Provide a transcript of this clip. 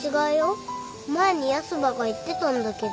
前にヤスばが言ってたんだけど。